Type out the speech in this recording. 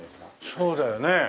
そうだよね。